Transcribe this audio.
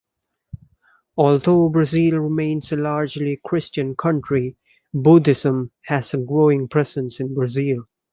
Although Brazil remains a largely Christian country, Buddhism has a growing presence in Brazil.